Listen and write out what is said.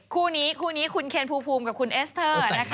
คู่นี้คุณเคนภูภูมิกับคุณเอสเตอร์